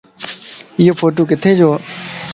ايو ڦوٽو ڪٿي جووَ؟